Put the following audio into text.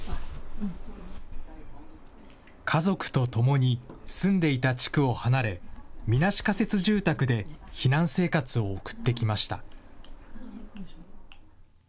家族と共に住んでいた地区を離れ、みなし仮設住宅で避難生活を送ってきました。